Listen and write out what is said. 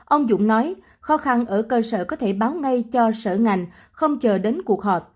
ông dũng nói khó khăn ở cơ sở có thể báo ngay cho sở ngành không chờ đến cuộc họp